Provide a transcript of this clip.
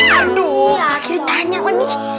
aduh akhirnya tanya lagi